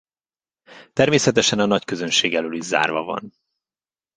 Természetesen a nagyközönség elől is zárva van.